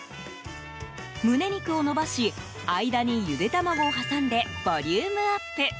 胸肉を伸ばし間にゆで卵を挟んでボリュームアップ。